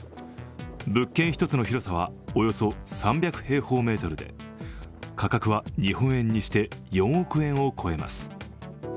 物件一つの広さは、およそ３００平方メートルで価格は日本円にして４億円を超えます。